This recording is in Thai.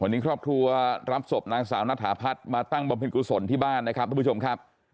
วันนี้ครอบครัวรับศพนางสาวณฐาพัฒน์มาตั้งบำเพ็ญกุศลที่บ้านนะครับทุกผู้ชมครับ